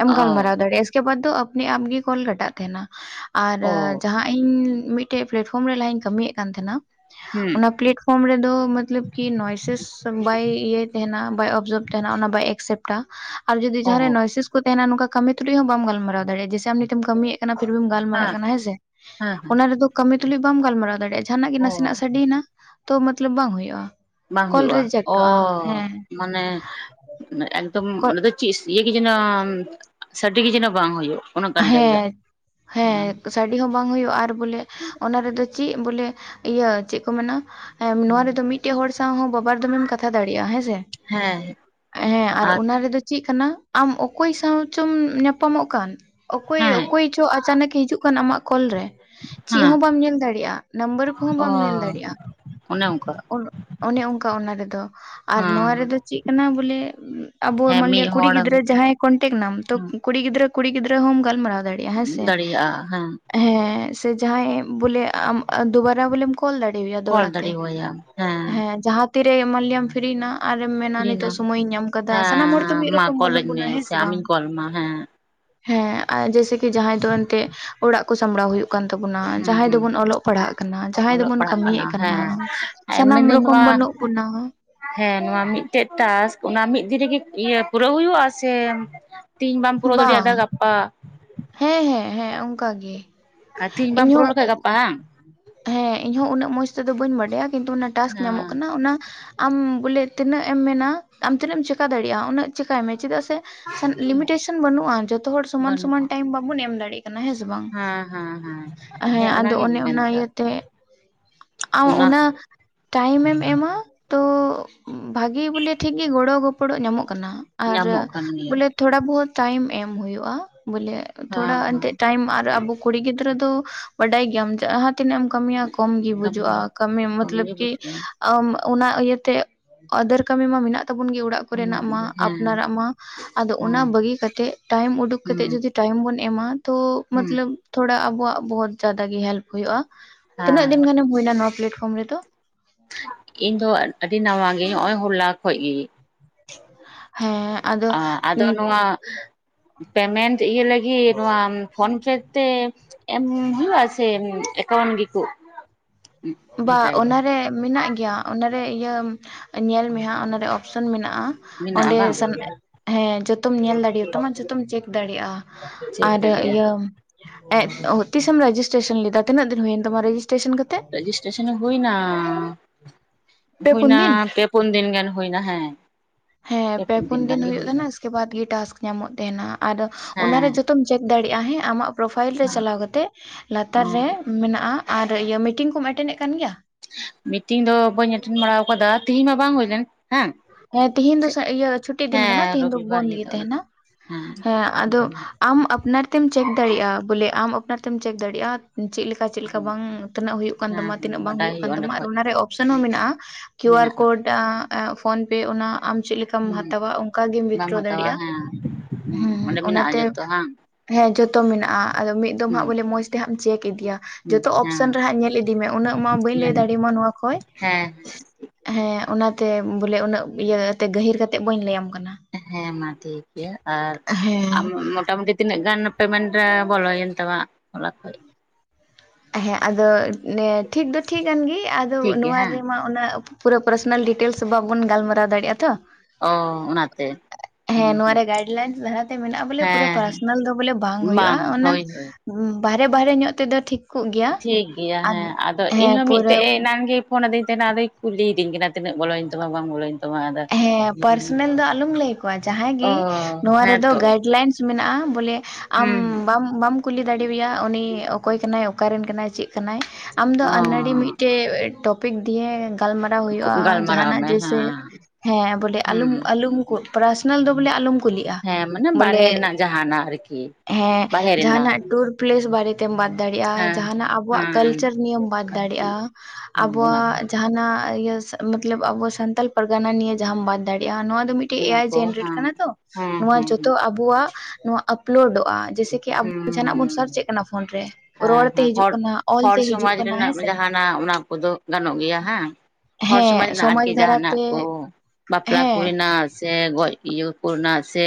A: ᱮᱢ ᱜᱟᱞᱢᱟᱨᱟᱣ
B: ᱚ
A: ᱫᱟᱲᱮᱭᱟᱜᱼᱟ ᱾ ᱩᱥᱠᱮ ᱵᱟᱫ ᱫᱚ ᱟᱯᱱ ᱟᱯ ᱜᱮ ᱠᱚᱞ ᱠᱷᱴᱟᱜ ᱛᱟᱦᱮᱱᱟ ᱟᱨ
B: ᱚ
A: ᱡᱟᱦᱟᱸ ᱤᱧ ᱢᱤᱫᱴᱮᱡ ᱯᱞᱟᱴᱯᱷᱚᱨᱚᱢ ᱨᱮ ᱞᱟᱦᱟᱧ ᱠᱟᱹᱢᱤᱭᱮᱫ ᱠᱟᱱ ᱛᱟᱦᱮᱱᱟ
B: ᱦᱮᱸ ᱻ᱾
A: ᱚᱱᱟ ᱯᱞᱮᱴᱯᱷᱚᱨᱚᱢ ᱨᱮᱫᱚ ᱢᱚᱛᱞᱚᱵ ᱠᱤ ᱱᱚᱚᱭᱥᱮᱥ ᱵᱟᱭ ᱤᱭᱟᱹᱭ ᱛᱟᱦᱮᱱᱟ ᱵᱟᱭ ᱚᱵᱡᱚᱨᱵᱷ ᱛᱟᱦᱮᱱᱟ ᱚᱱᱟ ᱵᱟᱭ ᱮᱠᱥᱮᱯᱴᱟ -ᱟ ᱾ ᱟᱨ ᱡᱩᱫᱤ
B: ᱚ
A: ᱡᱟᱦᱟᱸᱨᱮ ᱱᱚᱭᱥ ᱠᱚ ᱛᱟᱦᱮᱱᱟ ᱱᱚᱝᱠᱟ ᱠᱟᱹᱢᱤ ᱛᱩᱞᱩᱡ ᱦᱚᱸ ᱵᱟᱢ ᱜᱟᱞᱢᱟᱨᱟᱣ ᱫᱟᱲᱮᱭᱟᱜᱼᱟ ᱾ ᱥᱮ ᱟᱢ ᱱᱤᱛ ᱮᱢ ᱛᱮᱢ ᱠᱟᱹᱢᱤᱭᱮᱫ ᱠᱟᱱᱟ ᱯᱷᱤᱨᱵᱤᱢ ᱜᱟᱞᱢᱟᱨᱟᱜ ᱠᱟᱱᱟ ᱦᱮᱸ ᱥᱮ
B: ᱦᱮᱸ
A: ᱱᱚᱰᱮ ᱫᱚ ᱠᱟᱹᱢᱤ ᱛᱩᱞᱩᱡ ᱵᱟᱢ ᱜᱟᱞᱢᱟᱨᱟᱣ ᱫᱟᱲᱮᱭᱟᱜᱼᱟ ᱡᱟᱦᱟᱱᱟᱜ ᱜᱮ
B: ᱚ
A: ᱱᱟᱥᱮᱱᱟᱜ ᱥᱟᱰᱮᱭᱱᱟ ᱛᱚ ᱢᱚᱛᱞᱚᱵ ᱵᱟᱝ ᱦᱩᱭᱩᱜᱼᱟ ᱾
B: ᱵᱟᱝ ᱦᱩᱭᱩᱜᱼᱟ ᱚᱸᱻ ᱾ ᱢᱟᱱᱮ ᱮᱠᱫᱚᱢ
A: ᱠᱚᱞ
B: ᱚᱱᱟ ᱫᱚ ᱪᱮᱫ ᱤᱭᱟᱹ ᱠᱤ ᱢᱟᱱᱮ ᱱᱟ [unintelligible] ᱥ ᱠᱤ ᱡᱮᱱᱚ ᱵᱟᱝ ᱦᱩᱭᱩᱜ [unintelligible] ᱡᱟᱭᱜᱟ
A: ᱦᱮᱸ ᱦᱮᱸ ᱥᱟᱰᱮ ᱦᱚᱸ ᱵᱟᱝ ᱦᱩᱭᱩᱜᱼᱟ ᱟᱨ ᱵᱚᱞᱮ ᱚᱱᱟ ᱨᱮᱫᱚ ᱪᱮᱫ ᱵᱚᱞᱮ ᱤᱭᱟᱹ ᱪᱮᱫ ᱠᱚ ᱢᱮᱱᱟ ᱮᱢ ᱱᱚᱣᱟ ᱨᱮᱫᱚ ᱢᱤᱫᱴᱮᱱ ᱦᱚᱲ ᱥᱟᱶ ᱦᱚᱸ ᱵᱟᱵᱟᱨ ᱫᱚᱢᱮᱢ ᱠᱟᱛᱷᱟ ᱫᱟᱲᱮᱭᱟᱜᱼᱟ ᱦᱮᱸᱥ, [unintelligible]
B: ᱦᱮᱸ᱾
A: ᱦᱮᱸ ᱟᱨ ᱚᱱᱟ ᱨᱮᱫᱚ ᱪᱮᱫ ᱠᱟᱱᱟ ᱟᱢ ᱚᱠᱚᱭ ᱥᱟᱶ ᱪᱚᱢ ᱧᱟᱯᱟᱢᱚᱜ ᱠᱟᱱ ᱚᱠᱚᱭ
B: ᱦᱮᱸ
A: ᱚᱠᱚᱭ ᱪᱚ ᱟᱪᱟᱱᱟᱠ ᱦᱤᱡᱩᱜ ᱠᱟᱱ ᱟᱢᱟᱜ ᱠᱚᱞ ᱨᱮ᱾ ᱪᱮᱫ
B: ᱦᱮᱸ
A: ᱦᱚᱸ ᱵᱟᱢ ᱧᱮᱞ ᱫᱟᱲᱮᱭᱟᱜᱼᱟ ᱱᱟᱢᱵᱟᱨ ᱠᱚᱸᱦᱚᱸ
B: ᱚ
A: ᱵᱟᱢ ᱧᱮᱞ ᱫᱟᱲᱮᱭᱟᱜᱼᱟ᱾
B: ᱚᱱᱮ ᱚᱱᱠᱟ
A: ᱚᱱ ᱚᱱᱮ ᱚᱱᱠᱟ ᱚᱱᱟ ᱨᱮᱫᱚ᱾ ᱟᱨ
B: ᱦᱮᱸ
A: ᱱᱚᱣᱟ ᱨᱮᱫᱚ ᱪᱮᱫ ᱠᱟᱱᱟ ᱵᱚᱞᱮ ᱟᱵᱚ
B: ᱦᱮᱸ
A: ᱢᱟᱱᱞᱤᱭᱟ
B: ᱢᱤᱫ
A: ᱠᱩᱲᱤ
B: ᱦᱚᱲᱮᱢ
A: ᱜᱤᱫᱽᱨᱟᱹ ᱡᱟᱦᱟᱸᱭ ᱠᱚᱱᱴᱮᱠᱱᱟᱢ ᱛᱚ ᱠᱩᱲᱤ ᱜᱤᱫᱽᱨᱟᱹ ᱠᱩᱲᱤ ᱜᱤᱫᱽᱨᱟᱹ ᱦᱚᱢ ᱜᱟᱞᱢᱟᱨᱟᱣ ᱫᱟᱲᱮᱭᱟᱜᱼᱟ ᱦᱮᱸᱥᱮ᱾
B: ᱫᱟᱲᱮᱭᱟᱜᱼᱟ ᱦᱮᱸ
A: ᱦᱮᱸ ᱥᱮ ᱡᱟᱦᱟᱸᱭ ᱵᱚᱞᱮ ᱟᱢ ᱫᱩᱵᱟᱨᱟ ᱵᱚᱞᱮᱢ ᱠᱚᱞ ᱫᱟᱲᱮᱣ ᱟᱭᱟ
B: ᱠᱚᱞ
A: ᱫᱚᱦᱲᱟᱛᱮ᱾
B: ᱫᱟᱲᱮᱣᱟᱭᱟᱢ ᱦᱮᱸ᱾
A: ᱡᱟᱦᱟᱸ ᱛᱤᱨᱮ ᱢᱟᱞᱟᱞᱤᱭᱟ. ᱢ ᱯᱷᱤᱨᱤ ᱨᱮᱱᱟᱜ ᱟᱨᱮᱢ ᱢᱮᱱᱟ
B: ᱯᱷᱨᱤ
A: ᱱᱤᱛᱚᱜ
B: ᱱᱟᱢ
A: ᱥᱚᱢᱚᱭᱤᱧ ᱧᱟᱢ ᱠᱟᱫᱟ ᱥᱟᱱᱟᱢ ᱦᱚᱲ ᱛᱚ
B: ᱦᱮᱸ
A: ᱢᱤᱫ
B: ᱢᱟ
A: ᱨᱚᱠᱚᱢ ᱵᱟᱹᱱᱩᱜ
B: ᱠᱚᱞᱟᱹᱧ ᱢᱮ
A: ᱵᱚᱱᱟ ᱦᱮᱸ ᱥᱮ ᱵᱟᱝ?
B: ᱟᱢᱤᱧ ᱠᱚᱞ ᱟᱢᱟ ᱦᱮᱸ
A: ᱦᱮᱸ ᱡᱮᱥᱮ ᱠᱤ ᱡᱟᱦᱟᱸᱭ ᱫᱚ ᱮᱱᱛᱮᱜ ᱚᱲᱟᱜ ᱠᱚ ᱥᱟᱢᱲᱟᱣ ᱦᱩᱭᱩᱜ ᱠᱟᱱ ᱛᱟᱵᱚᱱᱟ
B: ᱦᱩᱸ
A: ᱡᱟᱦᱟᱸᱭ
B: ᱦᱩᱸ
A: ᱫᱚᱵᱚᱱ ᱚᱞᱚᱜ ᱯᱟᱲᱦᱟᱜ ᱠᱟᱱᱟ ᱡᱟᱦᱟᱸᱭ ᱫᱚᱵᱚᱱ ᱠᱟᱹᱢᱤᱭᱮᱫ ᱠᱟᱱᱟ᱾
B: ᱢᱮᱱᱟ.
A: ᱥᱟᱱᱟᱢ
B: ᱧ
A: ᱨᱚᱠᱚᱢ
B: ᱱᱚᱣᱟ
A: ᱵᱟᱹᱱᱩᱜ ᱵᱚᱱᱟ
B: ᱦᱮᱸ ᱱᱚᱣᱟ ᱢᱤᱫᱴᱮᱡ ᱴᱟᱥᱠ ᱚᱱᱟ ᱢᱤᱫ ᱫᱤᱱ ᱨᱮᱜᱮ ᱤᱭᱟ. ᱯᱩᱨᱟᱹ ᱦᱩᱭᱩᱜ ᱟᱥᱮ ᱛᱤᱦᱤᱧ ᱵᱟᱢ ᱯᱩᱨᱟᱹᱣ ᱫᱟᱲᱮᱭᱟᱜᱫᱟ
A: ᱵᱟᱝ
B: ᱜᱟᱯᱟ
A: ᱦᱮᱸ ᱦᱮᱸ ᱦᱮᱸ ᱚᱱᱠᱟ ᱜᱮ
B: ᱛᱤᱦᱤᱧ ᱵᱟᱢ
A: ᱤᱧ
B: ᱯᱩᱨᱟᱹᱣ
A: ᱦᱚᱸ
B: ᱞᱮᱠᱷᱟᱡ ᱜᱟᱯᱟ ᱵᱟᱝ
A: ᱦᱮᱸ ᱤᱧ ᱦᱚᱸ ᱩᱱᱟᱹᱜ ᱢᱚᱡ ᱛᱮᱫᱚ ᱵᱟᱹᱧ ᱵᱟᱰᱟᱭᱟ ᱠᱤᱱᱛᱩ ᱚᱱᱟ ᱴᱟᱥᱠ ᱧᱟᱢᱚᱜ
B: ᱦᱮᱸ
A: ᱠᱟᱱᱟ ᱚᱱᱟ ᱟᱢ ᱵᱚᱞᱮ ᱛᱤᱱᱟᱹᱜ ᱮᱢ ᱢᱮᱱᱟ ᱟᱢ ᱛᱤᱱᱟᱹᱜ ᱮᱢ ᱪᱮᱠᱟ ᱫᱟᱲᱮᱭᱟᱜᱼᱟ ᱩᱱᱟᱹᱜ ᱪᱤᱠᱟᱭ ᱢᱮ ᱪᱮᱫᱟᱜ ᱥᱮ ᱞᱤᱢᱤᱴᱮᱥᱟᱱ ᱵᱟᱹᱱᱩᱜᱼᱟ ᱡᱚᱛᱚ ᱦᱚᱲ ᱥᱚᱢᱟᱱ
B: ᱵᱟᱹᱱᱩᱜᱼᱟ
A: ᱥᱚᱢᱟᱱ ᱴᱟ. ᱭᱤᱢ ᱵᱟᱵᱚᱱ ᱮᱢ ᱫᱟᱲᱮᱭᱟᱜ ᱠᱟᱱᱟ ᱦᱮᱸ ᱥᱮ ᱵᱟᱝ?
B: ᱦᱮᱸ ᱦᱮᱸ ᱦᱮᱸ
A: ᱦᱮᱸ ᱟᱫᱚ
B: ᱚᱱᱟᱜᱤᱧ
A: ᱚᱱᱮ ᱚᱱᱟ
B: ᱢᱮᱱᱫᱟ
A: ᱤᱭᱟᱹᱛᱮ ᱟᱢ ᱚᱱᱟ ᱴᱟᱭᱤᱢᱮᱢ ᱮᱢᱟ ᱛᱚ ᱵᱷᱟᱜᱮ ᱵᱚᱞᱮ ᱴᱷᱤᱠ ᱜᱮ ᱜᱚᱲᱚ ᱜᱚᱯᱚᱲᱚ ᱧᱟᱢᱚᱜ ᱠᱟᱱᱟ᱾ ᱟᱨ
B: ᱧᱟᱢᱚᱜ ᱠᱟᱱ ᱜᱮᱭᱟ
A: ᱵᱚᱞᱮ ᱛᱷᱚᱲᱟ ᱵᱚᱦᱩᱛ ᱴᱟᱭᱤᱢ ᱮᱢ ᱦᱩᱭᱩᱜᱼᱟ ᱵᱚᱞᱮ ᱛᱷᱚᱲᱟ
B: ᱦᱮᱸ ᱦᱮᱸ
A: ᱮᱱᱛᱮᱫ ᱴᱟᱭᱤᱢ ᱟᱨ ᱟᱵᱚ ᱠᱩᱲᱤ ᱜᱤᱫᱽᱨᱟᱹ ᱫᱚ ᱵᱟᱰᱟᱭ ᱜᱮᱭᱟᱢ ᱡᱟᱦᱟᱸ ᱛᱤᱱᱟᱹᱜ ᱮᱢ ᱠᱟᱹᱢᱤᱭᱟ ᱠᱚᱢ ᱜᱮ
B: ᱠᱟᱹᱢᱤ
A: ᱵᱩᱡᱩᱜᱼᱟ ᱠᱟᱹᱢᱤ
B: ᱠᱚᱢ
A: ᱢᱚᱛᱞᱚᱵ
B: ᱜᱮ
A: ᱠᱤ
B: ᱵᱩᱡᱷᱟᱹᱜᱼᱟ
A: ᱟᱢ ᱚᱱᱟ ᱤᱭᱟᱹᱛᱮ ᱟᱫᱟᱨ ᱠᱟᱹᱢᱤ ᱢᱟ ᱢᱮᱱᱟᱜ ᱛᱟᱵᱚᱱ ᱜᱮ ᱚᱲᱟᱜ
B: ᱦᱮᱸ
A: ᱠᱚᱨᱮᱱᱟᱜ ᱢᱟ
B: ᱦᱮᱸ
A: ᱟᱯᱱᱟᱨᱟᱜ ᱢᱟ ᱟᱫᱚ
B: ᱦᱮᱸ
A: ᱚᱱᱟ ᱵᱟᱹᱜᱤ ᱠᱟᱛᱮ ᱴᱟᱭᱤᱢ ᱩᱰᱩᱠ ᱠᱟᱛᱮᱜ
B: ᱦᱮᱸ
A: ᱡᱩᱫᱤ ᱴᱟᱭᱤᱢ ᱵᱚᱱ ᱮᱢᱟ ᱛᱚ
B: ᱦᱮᱸ
A: ᱢᱚᱛᱞᱚᱵ ᱛᱷᱚᱲᱟ ᱟᱵᱚᱣᱟᱜ ᱵᱚᱦᱚᱛ ᱡᱟᱫᱟ ᱜᱮ ᱦᱮᱞᱯ ᱦᱩᱭᱩᱜᱼᱟ᱾ ᱛᱤᱱᱟᱹᱜ ᱫᱤᱱ ᱜᱟᱱᱮᱢ ᱦᱩᱭᱱᱟ ᱱᱚᱣᱟ ᱯᱞᱮᱴᱯᱷᱚᱨᱢ ᱨᱮᱫᱚ?
B: ᱤᱧ ᱫᱚ ᱟᱹᱰᱤ ᱱᱟᱣᱟ ᱜᱮ ᱱᱚᱜ-ᱚᱭ ᱦᱚᱞᱟ ᱠᱷᱚᱡ ᱜᱮ᱾
A: [inaudible] ᱦᱮᱸ ᱟᱫᱚ᱾
B: ᱟᱸ ᱟᱫᱚ ᱱᱚᱣᱟ ᱯᱮᱢᱮᱱᱴ ᱤᱭᱟᱹ ᱞᱟᱹᱜᱤᱫ ᱱᱚᱣᱟ ᱯᱷᱳᱱᱯᱮ ᱛᱮ ᱮᱢ ᱦᱩᱭᱩᱜ-ᱟ ᱥᱮ ᱥᱮ ᱮᱠᱟᱭᱩᱱᱴ ᱜᱮ ᱠᱚ
A: ᱵᱟ ᱚᱱᱟᱨᱮ ᱢᱮᱱᱟᱜ ᱜᱮᱭᱟ ᱚᱱᱟᱨᱮ ᱤᱭᱟᱹ ᱧᱮᱞ ᱢᱮ ᱦᱟᱸᱜ ᱚᱱᱟᱨᱮ ᱚᱠ ᱚᱯᱥᱮᱱ ᱢᱮᱱᱟᱜᱼᱟ᱾
B: ᱢᱮᱱᱟᱜᱼᱟ
A: ᱚᱸᱰᱮ
B: ᱵᱟᱝ
A: ᱥᱟᱱᱟᱢ ᱦᱮᱸ ᱡᱚᱛᱚᱢ ᱧᱮᱞ ᱫᱟᱲᱮᱭᱟᱛᱟᱢᱟ ᱡᱚᱛᱚᱢ ᱪᱮᱠ ᱫᱟᱲᱮᱭᱟᱜᱼᱟ᱾
B: ᱪᱮᱠ
A: ᱟᱨ ᱤᱭᱟᱹ
B: ᱫᱟᱲᱮᱭᱟᱜᱼᱟ
A: ᱮᱸᱜ ᱛᱤᱥᱮᱢ ᱨᱮᱡᱤᱥᱴᱨᱮᱥᱚᱱ ᱞᱮᱫᱟ ᱛᱤᱱᱟᱹᱜ ᱫᱤᱱ ᱦᱩᱭᱮᱱ ᱛᱟᱢᱟ ᱨᱮᱡᱤᱥᱴᱨᱮᱥᱚᱱ ᱠᱟᱛᱮᱫ?
B: ᱨᱮᱡᱤᱥᱴᱨᱮᱥᱚᱱ ᱦᱩᱭᱱᱟ
A: ᱯᱮ ᱯᱩᱱ
B: ᱦᱩᱭᱱᱟ
A: ᱫᱤᱱ
B: ᱯᱮ ᱯᱩᱱ ᱫᱤᱱ ᱜᱟᱱ ᱦᱩᱭᱱᱟ ᱦᱮᱸ᱾
A: ᱦᱮᱸ ᱯᱮ ᱯᱩᱱ ᱫᱤᱱ ᱦᱩᱭᱩᱜ ᱛᱟᱦᱮᱱᱟ ᱩᱥᱠᱮ ᱵᱟᱫᱽ ᱜᱮ ᱴᱟᱥᱠ ᱧᱟᱢᱚᱜ ᱛᱟᱦᱮᱱᱟ ᱾ᱟᱫᱚ ᱚᱱᱟᱨᱮ
B: ᱦᱮᱸ
A: ᱡᱚᱛᱚᱢ ᱪᱮᱠ ᱫᱟᱲᱮᱭᱟᱜᱼᱟ ᱦᱮᱸ ᱟᱢᱟᱜ ᱯᱨᱚᱯᱷᱟᱭᱤᱞ ᱨᱮ ᱪᱟᱞᱟᱣ ᱠᱟᱛᱮᱜ
B: ᱚ
A: ᱞᱟᱛᱟᱨ ᱨᱮ ᱢᱮᱱᱟᱜᱼᱟ ᱟᱨ ᱤᱭᱟᱹ ᱢᱤᱴᱤᱝ ᱠᱚᱢ ᱮᱴᱮᱱᱰ ᱮᱫ ᱠᱟᱱ ᱜᱮᱭᱟ?
B: ᱢᱤᱴᱤᱝ ᱫᱚ ᱵᱟᱹᱧ ᱮᱴᱮᱱ ᱵᱟᱲᱟᱣ ᱟᱠᱟᱫᱟ ᱛᱤᱦᱤᱧ ᱢᱟ ᱵᱟᱝ ᱦᱩᱭ ᱞᱮᱱ᱾ ᱦᱩᱸ
A: ᱦᱮᱸ ᱛᱤᱦᱤᱧ ᱫᱚ ᱤᱭᱟᱹ ᱪᱷᱩᱴᱤ ᱫᱤᱱ ᱠᱟᱱᱟ
B: ᱦᱮᱸ
A: ᱛᱤᱦᱤᱧ ᱫᱚ
B: ᱨᱚᱵᱤᱵᱟᱨ ᱜᱮᱫᱚᱜ ᱞᱟᱹᱜᱤᱫ ᱦᱮᱸ
A: ᱫᱚ ᱟᱢ ᱟᱯᱱᱟᱨ ᱛᱮᱢ ᱪᱮᱠ ᱫᱟᱲᱮᱭᱟᱜᱼᱟ ᱵᱚᱞᱮ ᱟᱢ ᱟᱯᱱᱟᱨ ᱛᱮᱢ ᱪᱮᱠ ᱫᱟᱲᱮᱭᱟᱜᱼᱟ ᱪᱮᱫ ᱛᱟ ᱞᱮᱠᱟ ᱪᱮᱫ
B: ᱦᱮᱸ
A: ᱞᱮᱠᱟ ᱵᱟᱝ ᱛᱤᱱᱟᱹᱜ ᱦᱩᱭᱩᱜ ᱠᱟᱱ ᱛᱟᱢᱟ
B: ᱦᱮᱸ
A: ᱛᱤᱱᱟᱹᱜ ᱵᱟᱝ
B: ᱵᱟᱰᱟᱭ
A: ᱦᱩᱭᱩᱜ
B: ᱦᱩᱭᱩᱜᱼᱟ
A: ᱠᱟᱱ
B: ᱚᱸᱰᱮ
A: ᱛᱟᱢᱟ ᱟᱨ
B: ᱠᱷᱚᱡ
A: ᱚᱱᱟᱨᱮ ᱚᱯᱥᱮᱱ
B: ᱦᱮᱸ
A: ᱦᱚᱸ ᱢᱮᱱᱟᱜᱼᱟ᱾ ᱠᱤᱭᱩ ᱟᱨ
B: ᱢᱮᱱᱟᱜᱼᱟ
A: ᱠᱳᱰ ᱟᱸ ᱮᱸ ᱯᱷᱳᱱ ᱯᱮ ᱚᱱᱟ ᱟᱢ ᱪᱮᱫ ᱞᱮᱠᱟ ᱠᱟᱢ
B: ᱦᱩᱸ
A: ᱦᱟᱛᱟᱣᱟ ᱚᱱᱠᱟ ᱜᱮᱢ
B: ᱵᱟᱢ
A: ᱩᱭᱤᱛᱷᱰᱨᱚ
B: ᱦᱟᱛᱟᱣᱟ
A: ᱫᱟᱲᱮᱭᱟᱜᱼᱟ᱾
B: ᱦᱮᱸ
A: ᱦᱩᱸ ᱦᱩᱸ
B: ᱚᱸᱰᱮ ᱢᱮᱱᱟᱜᱼᱟ
A: ᱚᱱᱟᱛᱮ
B: ᱡᱚᱛᱚ ᱦᱟᱝ
A: ᱦᱮᱸ ᱡᱚᱛᱚ ᱢᱮᱱᱟᱜᱼᱟ ᱟᱫᱚ ᱢᱤᱫ ᱫᱚᱢ ᱦᱟᱸᱜ
B: ᱦᱩᱸ
A: ᱵᱚᱞᱮ ᱢᱚᱸᱡᱽ ᱛᱮ ᱦᱟᱜ ᱪᱮᱠ ᱤᱫᱤᱭᱟ᱾
B: ᱦᱩᱸ
A: ᱡᱚᱛᱚ
B: ᱦᱮᱸ
A: ᱚᱯᱷᱥᱮᱱ ᱨᱮ ᱦᱟᱸᱜ ᱧᱮᱞ ᱤᱫᱤ ᱢᱮ ᱩᱱᱟᱹᱜ ᱢᱟ ᱵᱟᱹᱧ ᱞᱟᱹᱭ
B: ᱧᱮᱞᱟᱹᱧ
A: ᱫᱟᱲᱮᱣᱟᱢᱟ ᱱᱚᱣᱟ ᱠᱷᱚᱡ᱾
B: ᱦᱮᱸ
A: ᱦᱮᱸ ᱚᱱᱟᱛᱮ ᱵᱚᱞᱮ ᱩᱱᱟᱹᱜ ᱤᱭᱟᱹ ᱟᱛᱮ ᱜᱟᱹᱦᱤᱨ ᱠᱟᱛᱮᱜ ᱵᱟᱹᱧ ᱞᱟᱹᱭᱟᱢ ᱠᱟᱱᱟ᱾
B: ᱦᱮᱸ ᱢᱟ ᱴᱷᱤᱠ ᱜᱮᱭᱟ᱾ ᱟᱨ
A: ᱦᱮᱸ
B: ᱟᱢ ᱢᱚᱴᱟᱢᱩᱴᱤ ᱛᱤᱱᱟᱹᱜ ᱜᱟᱱ- ᱯᱮᱢᱮᱱᱴ ᱵᱚᱞ ᱮᱱ ᱛᱟᱢᱟ ᱦᱚᱞᱟ ᱠᱷᱟᱡ?
A: ᱦᱮᱸ ᱟᱫᱚ ᱴᱷᱤᱠ ᱫᱚ ᱴᱷᱤᱠ ᱟᱱ ᱜᱮ ᱟᱫᱚ
B: ᱴᱷᱤᱠ ᱜᱮᱭᱟ
A: ᱱᱚᱣᱟ
B: ᱦᱮᱸ
A: ᱨᱮᱢᱟ ᱩᱱᱟᱹᱜ ᱯᱩᱨᱟᱹ ᱯᱨᱟᱥᱚᱱᱟᱞ ᱰᱤᱴᱮᱞᱥ ᱵᱟᱵᱚᱱ ᱜᱟᱞᱢᱟᱨᱟᱣ ᱫᱟᱲᱮᱭᱟᱜᱼᱟ ᱛᱚ᱾
B: ᱚ ᱚᱱᱟᱛᱮ᱾ ᱦᱩᱸ
A: ᱦᱮᱸ
B: ᱦᱩᱸ
A: ᱱᱚᱶᱥᱟᱨᱮ ᱜᱟᱭᱤᱰ ᱞᱟᱭᱤᱱᱥ ᱫᱷᱟᱨᱟᱛᱮ ᱢᱮᱱᱟᱜᱼᱟ ᱵᱚᱞᱮ ᱯᱩᱨᱟᱹ
B: ᱦᱮᱸ
A: ᱯᱟᱨᱥᱚᱱᱟᱞ ᱫᱚ ᱵᱚᱞᱮ ᱵᱟᱝ ᱦᱩᱭᱩᱜᱼᱟ᱾ ᱚᱱᱟ-
B: ᱦᱳᱭ ᱦᱳᱭ
A: ᱩᱸ ᱵᱟᱨᱦᱮ ᱵᱟᱨᱦᱮ ᱧᱚᱜ ᱛᱮᱫᱚ ᱴᱷᱤᱠ ᱠᱚᱜ ᱜᱮᱭᱟ
B: ᱴᱷᱤᱠ ᱜᱭᱟ
A: ᱟᱨ
B: ᱦᱮᱸ ᱟᱫᱚ
A: ᱦᱮᱸ
B: ᱤᱧᱦᱚᱸ
A: ᱯᱩᱨᱟᱹ
B: ᱢᱤᱫᱴᱮᱡ ᱮᱱᱟᱱ ᱜᱮ ᱯᱷᱳᱱᱟᱫᱤᱧ ᱛᱟᱦᱮᱱᱟ ᱟᱫᱚᱭ ᱠᱩᱞᱤᱭᱮᱫᱤᱧ ᱠᱟᱱᱟ ᱛᱤᱱᱟᱹᱜ ᱵᱚᱞᱚᱭᱮᱱ ᱛᱟᱢᱟ ᱵᱟᱝ ᱵᱚᱞᱚᱭᱮᱱ ᱛᱟᱢᱟ᱾ ᱟᱫᱚ
A: ᱦᱮᱸ ᱯᱟᱨᱥᱚᱱᱟᱞ ᱫᱚ ᱟᱞᱚᱢ ᱞᱟᱹᱭ ᱟᱠᱚᱣᱟ, ᱡᱟᱦᱟᱸᱭ
B: ᱚ
A: ᱜᱤ ᱱᱚᱣᱟ ᱨᱮᱫᱚ
B: ᱦᱮᱸᱛᱚ
A: ᱜᱟᱭᱤᱰ ᱞᱟᱭᱤᱱᱥ ᱢᱮᱱᱟᱜᱼᱟ, ᱵᱚᱞᱮ ᱟᱢ
B: ᱦᱩᱸ
A: ᱵᱟᱢ-ᱵᱟᱢ ᱠᱩᱞᱤ ᱫᱟᱲᱮᱣᱟᱭᱟ ᱩᱱᱤ ᱚᱠᱚᱭ ᱠᱟᱱᱟᱭ? ᱚᱠᱟᱨᱮᱱ ᱠᱟᱱᱟᱭ? ᱪᱮᱫ ᱠᱟᱱᱟᱭ, ᱟᱢ ᱫᱚ
B: ᱚ
A: ᱟᱱᱟᱹᱲᱤ ᱢᱤᱫᱴᱮᱡ ᱴᱚᱯᱤᱠ ᱫᱤᱭᱮ ᱜᱟᱞᱢᱟᱨᱟᱣ ᱦᱩᱭᱩᱜᱼᱟ
B: ᱜᱟᱞᱢᱟᱨᱟᱣ
A: ᱡᱟᱦᱟᱱᱟᱜ
B: ᱢᱮ
A: ᱡᱮ
B: ᱦᱮᱸ
A: ᱥᱮ ᱦᱮᱸ ᱵᱚᱞᱮ
B: ᱦᱩᱸ
A: ᱟᱞᱚᱢ-ᱟᱞᱚᱢ ᱯᱨᱟᱥᱚᱱᱟᱞ ᱫᱚ ᱵᱚᱞᱮ ᱟᱞᱚᱢ ᱠᱩᱞᱤᱜᱼᱟ
B: ᱦᱮᱸ ᱢᱟᱱᱮ,
A: ᱵᱚᱞᱮ
B: ᱵᱟᱨᱦᱮ ᱨᱮᱱᱟᱜ ᱡᱟᱦᱟᱱᱟᱜ ᱟᱨᱠᱤ᱾
A: ᱦᱮᱸ
B: ᱵᱟᱨᱦᱮ ᱨᱮᱱᱟᱜ
A: ᱡᱟᱦᱟᱱᱟᱜ ᱴᱩᱨ ᱯᱞᱮᱥ ᱵᱟᱨᱮᱛᱮᱢ ᱵᱟᱛ ᱫᱟᱲᱮᱭᱟᱜᱼᱟ᱾
B: ᱦᱮᱸ
A: ᱡᱟᱦᱟᱱᱟᱜ ᱟᱵᱚᱣᱟᱜ ᱠᱟᱞᱪᱟᱨ ᱱᱤᱭᱮᱢ ᱵᱟᱛ ᱫᱟᱲᱮᱭᱟᱜᱼᱟ᱾
B: ᱦᱩᱸ ᱚᱱᱟ᱾
A: ᱟᱵᱚᱣᱟᱜ ᱡᱟᱦᱟᱱᱟᱜ ᱤᱭᱟᱹ ᱢᱚᱛᱞᱚᱵ ᱥᱟᱱᱛᱟᱞ ᱯᱟᱨᱜᱟᱱᱟ ᱱᱤᱭᱮ ᱡᱟᱦᱟᱸᱢ ᱵᱟᱛ ᱫᱟᱲᱮᱭᱟᱜᱼᱟ᱾ ᱱᱚᱣᱟ ᱫᱚ ᱢᱤᱫ- ᱮ
B: ᱚᱱᱟ
A: ᱟᱭ
B: ᱠᱚ
A: ᱡᱮᱱᱨᱮᱴ
B: ᱦᱮᱸ
A: ᱠᱟᱱᱟ ᱛᱚ,
B: ᱦᱮᱸ
A: ᱱᱚᱣᱟ
B: ᱦᱮᱸ
A: ᱡᱚᱛᱚ ᱟᱵᱚᱣᱟᱜ ᱱᱚᱣᱟ ᱟᱯᱞᱳᱰᱚᱜᱼᱟ᱾ ᱡᱮᱭᱥᱮ ᱠᱤ ᱟᱵᱚ ᱡᱟᱦᱟᱱᱟᱜ ᱵᱚᱱ
B: ᱦᱩᱸ
A: ᱥᱟᱨᱪ ᱮᱫ ᱠᱟᱱᱟ ᱯᱷᱳᱱ ᱨᱮ᱾ ᱨᱚᱲ
B: ᱦᱮᱸ
A: ᱛᱮ
B: ᱦᱮᱸ
A: ᱦᱤᱡᱩᱜ
B: ᱦᱚᱲ
A: ᱠᱟᱱᱟ,
B: ᱦᱚᱲ
A: ᱚᱞᱛᱮ ᱦᱤᱡᱩᱜ
B: ᱥᱚᱢᱟᱡᱽ
A: ᱠᱟᱱᱟ
B: ᱨᱮᱱᱟᱜ
A: ᱦᱮᱸᱥᱮ᱾
B: ᱡᱟᱦᱟᱱᱟᱜ ᱚᱱᱟ ᱠᱚᱫᱚ ᱜᱟᱱᱚᱜ ᱜᱮᱭᱟ ᱦᱟᱸ᱾ ᱦᱚᱲ ᱥᱚᱢᱟᱡᱽ
A: ᱦᱮᱸ
B: ᱨᱮᱱᱟᱜ ᱟᱨᱠᱤ ᱡᱟᱦᱟᱱᱟᱜ
A: ᱫᱷᱟᱨᱟᱛᱮ
B: ᱠᱚ ᱵᱟᱯᱞᱟ
A: ᱦᱮᱸ
B: ᱠᱚᱨᱮᱱᱟᱜ᱾ ᱥᱮ ᱜᱚᱡ ᱤᱭᱟᱹ ᱠᱚᱨᱮᱱᱟᱜ ᱥᱮ-